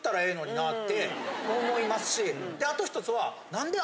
思いますしあと１つは。